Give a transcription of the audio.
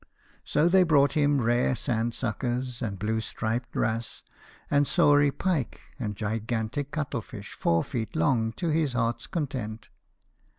So they brought him rare sand suckers, and blue striped wrasse, and saury pike, and gigantic cuttle fish, four feet long, to his heart's content.